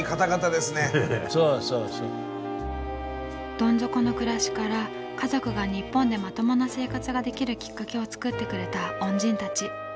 どん底の暮らしから家族が日本でまともな生活ができるきっかけを作ってくれた恩人たち。